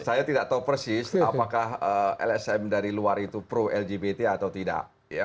saya tidak tahu persis apakah lsm dari luar itu pro lgbt atau tidak